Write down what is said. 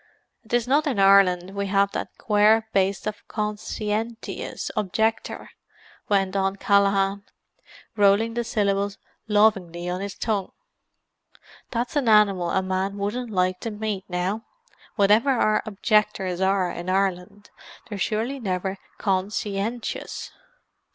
"And 'tis not in Ireland we have that quare baste the con sci en tious objector," went on Callaghan, rolling the syllables lovingly on his tongue. "That's an animal a man wouldn't like to meet, now! Whatever our objectors are in Ireland, they're surely never con sci en tious!"